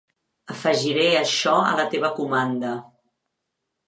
Afegiré això a la teva comanda.